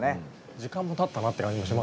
時間もたったなって感じもしますね。